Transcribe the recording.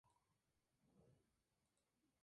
Murió allí.